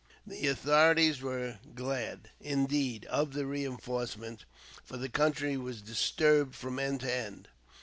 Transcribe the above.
The authorities were glad, indeed, of the reinforcement; for the country was disturbed from end to end.